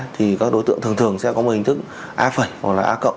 thì các đối tượng thường thường sẽ có một hình thức a